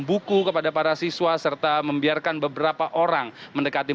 buku kepada para siswa serta membiarkan beberapa orang mendekati